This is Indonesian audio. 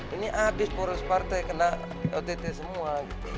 ini abis boros partai kena ott semua